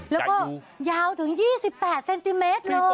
แล้วก็ยาวถึง๒๘เซนติเมตรเลย